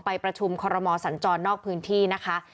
ประชุมคอรมอสัญจรนอกพื้นที่นะคะ